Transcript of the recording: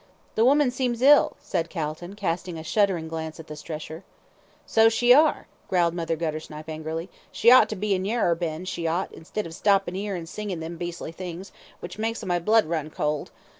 "The woman seems ill," said Calton, casting a shuddering glance at the stretcher. "So she are," growled Mother Guttersnipe, angrily. "She ought to be in Yarrer Bend, she ought, instead of stoppin' 'ere an' singin' them beastly things, which makes my blood run cold.